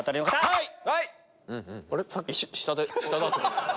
はい！